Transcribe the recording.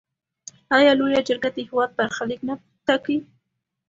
آیا لویه جرګه د هیواد برخلیک نه ټاکي؟